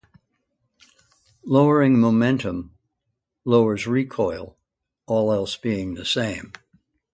Lowering momentum, lowers recoil, all else being the same.